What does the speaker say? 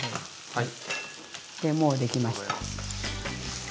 はい。